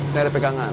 ini ada pegangan